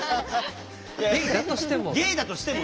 ゲイだとしても。